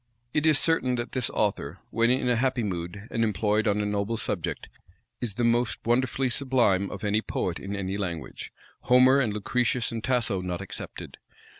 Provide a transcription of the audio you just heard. It is certain that this author, when in a happy mood, and employed on a noble subject, is the most wonderfully sublime of any poet in any language, Homer, and Lucretius, and Tasso not excepted.